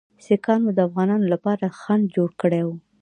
سیکهانو د افغانانو لپاره خنډ جوړ کړی وو.